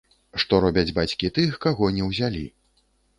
Што робяць бацькі тых, каго не ўзялі.